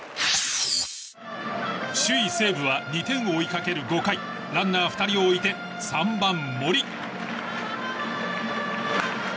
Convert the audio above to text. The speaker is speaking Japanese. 首位、西武は２点を追いかける５回ランナー２人を置いて３番、森。